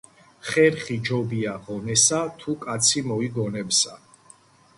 ხერხი ჯობია ღონესა თუ კაცი მოიგონებსა